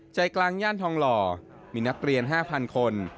ใจกลางย่านทองหล่อมีนักเรียน๕๐๐คน